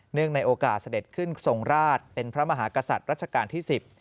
ในโอกาสเสด็จขึ้นทรงราชเป็นพระมหากษัตริย์รัชกาลที่๑๐